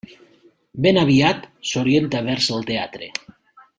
Ben aviat s'orienta vers el teatre.